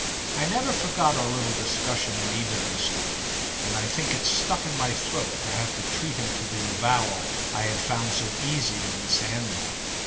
I never forgot our little discussion in Ebury Street, and I think it stuck in my throat to have to treat him to the avowal I had found so easy to Mss Anvoy.